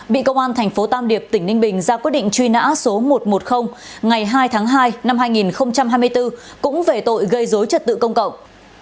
bị công an thành phố tam điệp tỉnh ninh bình ra quyết định truy nã số một trăm một mươi ngày hai tháng hai năm hai nghìn hai mươi bốn cũng về tội gây dối trật tự công cộng